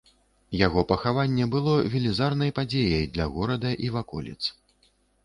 Яго пахаванне было велізарнай падзеяй для горада і ваколіц.